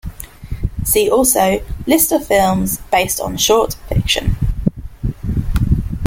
See also List of films based on short fiction.